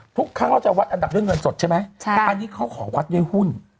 ทุกครั้งเราจะวัดอันดับเรื่องเงินสดใช่มั้ยอันนี้เขาขอวัดในหุ้น